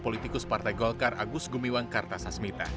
politikus partai golkar agus gumiwang kartasasmita